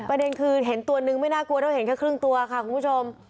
ประเด็นคือเห็นตัวนึงไม่น่ากลัวเท่าเห็นแค่ครึ่งตัวค่ะคุณผู้ชม